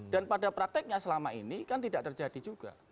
dan pada prakteknya selama ini kan tidak terjadi juga